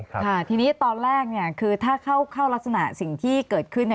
ค่ะทีนี้ตอนแรกคือถ้าเข้ารักษณะสิ่งที่เกิดขึ้น